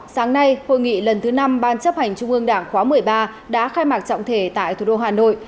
sáng nay hội nghị lần thứ năm ban chấp hành trung ương đảng khóa một mươi ba đã khai mạc trọng thể tại thủ đô hà nội